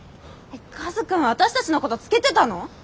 カズくん私たちのことつけてたの？